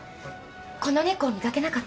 この猫見掛けなかった？